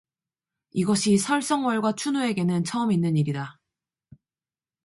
이것이 설성월과 춘우에게는 처음 있는 일이다.